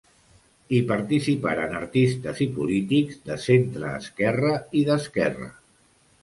Hi participaren artistes i polítics de centreesquerra i d'esquerra.